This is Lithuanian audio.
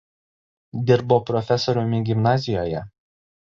Dirbo profesoriumi gimnazijoje.